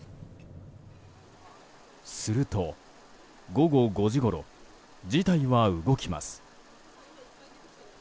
すると、午後５時ごろ事態は動きます。